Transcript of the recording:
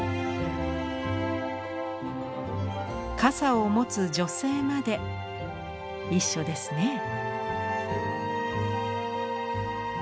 傘を持つ女性まで一緒ですね。